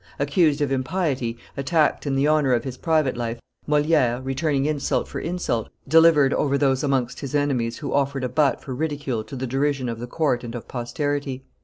Accused of impiety, attacked in the honor of his private life, Moliere, returning insult for insult, delivered over those amongst his enemies who offered a butt for ridicule to the derision of the court and of posterity.